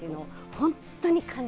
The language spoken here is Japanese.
本当に感